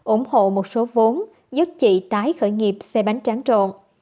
ủng hộ một số vốn giúp chị tái khởi nghiệp xe bánh tráng trộn